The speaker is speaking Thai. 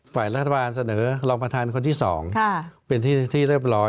ฝ่ายรัฐบาลเสนอรองประธานคนที่๒เป็นที่เรียบร้อย